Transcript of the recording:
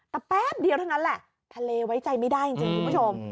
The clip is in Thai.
แต่แป๊บเดียวเท่านั้นแหละทะเลไว้ใจไม่ได้จริงคุณผู้ชม